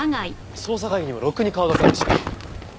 捜査会議にもろくに顔出さないし。